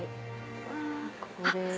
ここです。